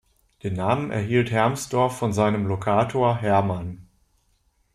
Den Namen erhielt Hermsdorf von seinem Lokator "Hermann".